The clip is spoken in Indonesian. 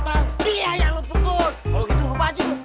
kalau gitu lo baju